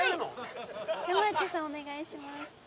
山内さん、お願いします。